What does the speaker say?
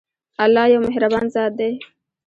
الله يو مهربان ذات دی.